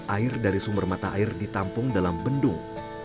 air dari sumber mata air ditampung dalam bendung